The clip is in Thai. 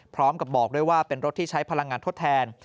พร้อมกับบอกด้วยว่าเป็นรถที่ใช้พลังงานทดแทน